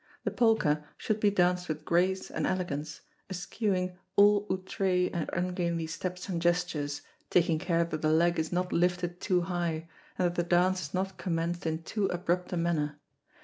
The polka should be danced with grace and elegance, eschewing all outré and ungainly steps and gestures, taking care that the leg is not lifted too high, and that the dance is not commenced in too abrupt a manner.